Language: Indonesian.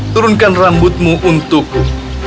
turunkan rambutmu untukku